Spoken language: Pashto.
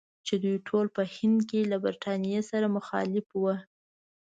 چې دوی ټول په هند کې له برټانیې سره مخالف ول.